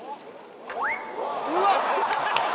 「うわっ！」